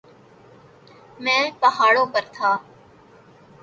. میں پہاڑوں پر تھا.